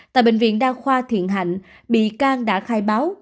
tại bệnh viện đa khoa thiện hạnh bị can đã khai báo